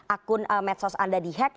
akun medsos anda dihack